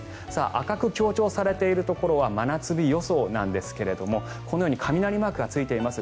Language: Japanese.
赤く強調されているところは真夏日予想なんですがこのように雷マークがついています。